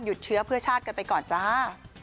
เชื้อเพื่อชาติกันไปก่อนจ้า